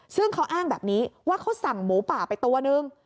ซึ่งเขาอ้างแบบนี้ว่าเขาสั่งหมูป่าไปตัวนึง